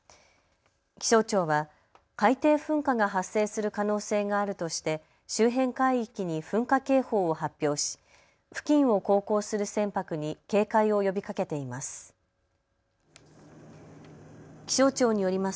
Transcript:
気象庁は海底噴火が発生する可能性があるとして周辺海域に噴火警報を発表し付近を航行する船舶に警戒を呼びかけています。